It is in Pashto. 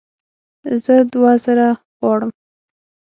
زه دوه زره غواړم